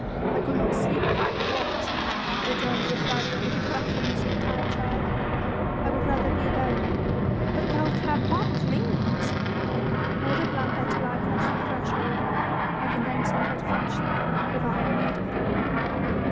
I could not sleep if I were watched," rejoined Dea Flavia with the fretfulness of a tired child. "I would rather be alone." "But thou'lt have bad dreams." "Order Blanca to lie across the threshold. I can then send her to fetch thee, if I have need of thee."